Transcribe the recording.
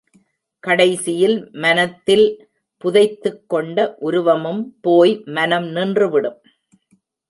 கடைசியில் மனத்தில் புதைத்துக் கொண்ட உருவமும் போய் மனம் நின்றுவிடும்.